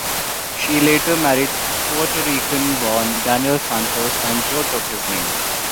She later married Puerto Rican-born Daniel Santos, and Joe took his name.